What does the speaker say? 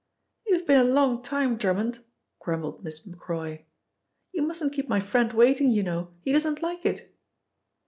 "You've been a long time, Drummond," grumbled Miss Macroy. "You mustn't keep my friend waiting, you know. He doesn't like it."